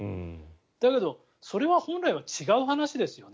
だけど、それは本来は違う話ですよね。